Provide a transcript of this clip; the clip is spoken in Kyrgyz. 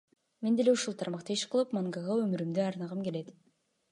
Мен деле ушул тармакта иш кылып, мангага өмүрүмдү арнагым келет.